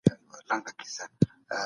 او دې موخې ته رسېدل ممکن دي.